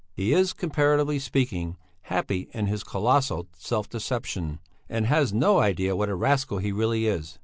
He is, comparatively speaking, happy in his colossal self deception, and has no idea what a rascal he really is.